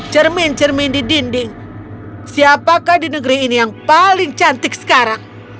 cermin cermin di dinding siapakah di negeri ini yang paling cantik sekarang